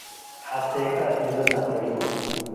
ሐሴ'ከሦ” እት ልብል ነክረዩ።